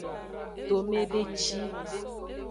Tomedeci.